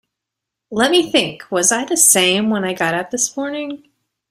Let me think: was I the same when I got up this morning?